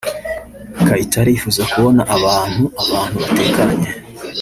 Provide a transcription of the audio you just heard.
Kayitare yifuza kubona abantu abantu batekanye